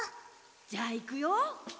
じゃあいくよ。